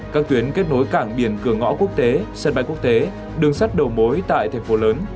các tuyến kết nối cảng biển cửa ngõ quốc tế sân bay quốc tế đường sắt đầu mối tại thành phố lớn